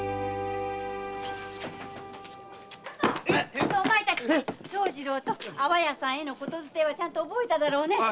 ちょっとお前たち長次郎と安房屋さんへの言づてはちゃんと覚えただろうね？